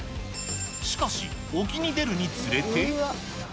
しかし、沖に出るにつれて。